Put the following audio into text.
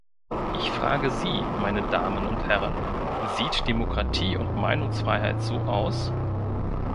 Ich frage Sie, meine Damen und Herren, sieht Demokratie und Meinungsfreiheit so aus?